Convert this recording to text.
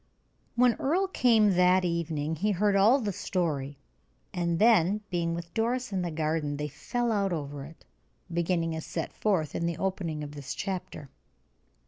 When Earle came that evening he heard all the story, and then, being with Doris in the garden, they fell out over it, beginning as set forth in the opening of this chapter.